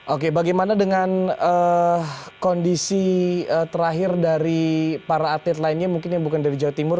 oke bagaimana dengan kondisi terakhir dari para atlet lainnya mungkin yang bukan dari jawa timur